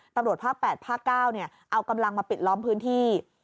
ตำรวจภาค๘ภาค๙เอากำลังมาปิดล้อมพื้นที่